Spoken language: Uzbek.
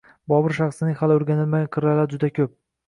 Bobur shaxsining hali oʻrganilmagan qirralari juda koʻp